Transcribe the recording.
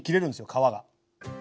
皮が。